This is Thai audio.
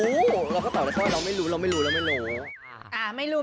หนูเราก็ยกว่าเรายังไม่รู้เราก็ไม่รู้